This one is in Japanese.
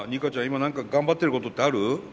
今何か頑張っていることってある？